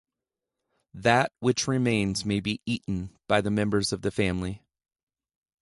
That which remains may be eaten by members of the family.